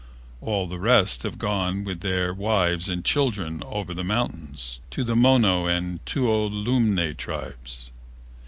All the rest have gone with their wives end children over the mountains to the Mono and Tuolumne tribes."